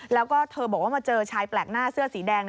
แล้วก็เธอบอกว่ามาเจอชายแปลกหน้าเสื้อสีแดง